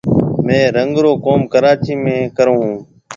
ميه رنگ رو ڪوم ڪراچِي ۾ ڪرون هون۔